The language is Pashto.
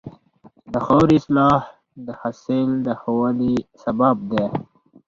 د خاورې اصلاح د حاصل د ښه والي سبب ده.